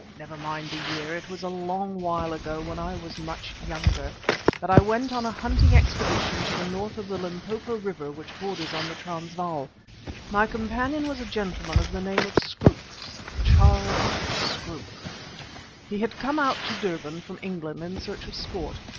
never mind the year, it was a long while ago when I was much younger, that I went on a hunting expedition to the north of the Limpopo River which borders the Transvaal. My companion was a gentleman of the name of Scroope, Charles Scroope. He had come out to Durban from England in search of sport.